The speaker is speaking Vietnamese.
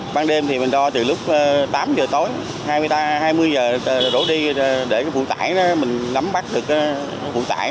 ban đêm thì mình đo từ lúc tám h tối hai mươi h rổ đi để phụ tải mình nắm bắt được phụ tải